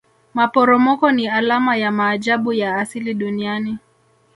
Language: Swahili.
maporomoko ni alama ya maajabu ya asili duniani